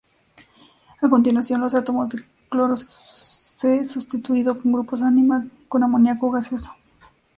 A continuación, los átomos de cloro se sustituido con grupos amina con amoniaco gaseoso.